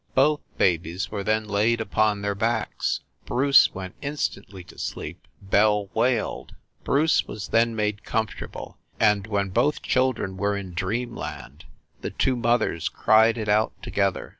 Both babies were then laid upon their backs. Bruce went instantly to sleep, Belle wailed. Bruce was then made comfortable, and when both children were in Dreamland the two mothers cried it out together.